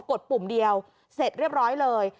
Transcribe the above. ดปุ่มเดียวเสร็จเรียบร้อยเลย